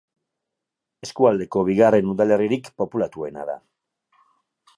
Eskualdeko bigarren udalerririk populatuena da.